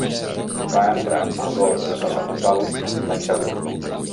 Va entrar a l'Orde Sacerdotal l'any següent.